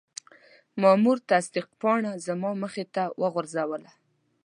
مامور تصدیق پاڼه زما مخې ته وغورځوله.